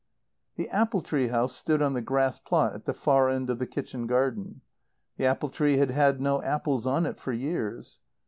The apple tree house stood on the grass plot at the far end of the kitchen garden. The apple tree had had no apples on it for years.